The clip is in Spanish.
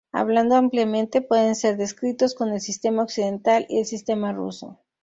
Hablando ampliamente, pueden ser descritos como el sistema "Occidental", y el sistema "Ruso".